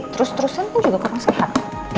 terus terusan pun juga kurang sehat